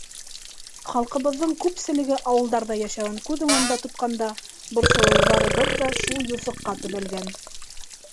Халҡыбыҙҙың күпселеге ауылдарҙа йәшәүен күҙ уңында тотҡанда, борсолоуҙарыбыҙ ҙа шул юҫыҡҡа төбәлгән.